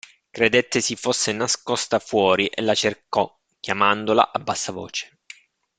Credette si fosse nascosta fuori e la cercò, chiamandola a bassa voce.